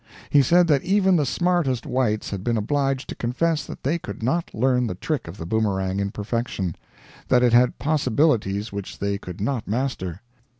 He said that even the smartest whites had been obliged to confess that they could not learn the trick of the boomerang in perfection; that it had possibilities which they could not master.